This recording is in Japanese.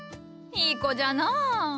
いい子じゃのう。